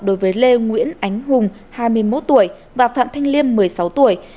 đối với lê nguyễn ánh hùng hai mươi một tuổi và phạm thanh liêm một mươi sáu tuổi